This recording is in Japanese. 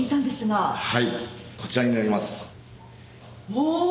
お！